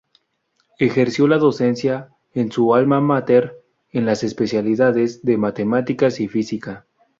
Ejerció la docencia en su alma máter, en las especialidades de matemáticas y física.